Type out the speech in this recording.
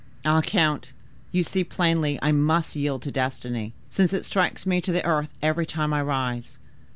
Ah! count, you see plainly I must yield to destiny, since it strikes me to the earth every time I rise.